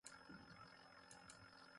آ کوْم تھو نہ تتھیگیئی بوْ